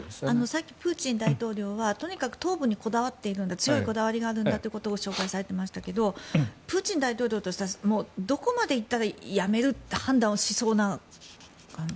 さっきプーチン大統領はとにかく東部にこだわっているんだ強いこだわりがあるんだということを紹介されていましたけどプーチン大統領としてはどこまで行ったらやめるって判断をしそうな感じ。